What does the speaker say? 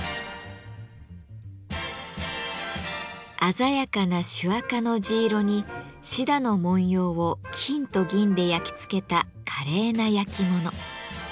鮮やかな朱赤の地色に羊歯の文様を金と銀で焼き付けた華麗な焼き物。